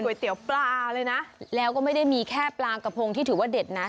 เตี๋ยวปลาเลยนะแล้วก็ไม่ได้มีแค่ปลากระพงที่ถือว่าเด็ดนะ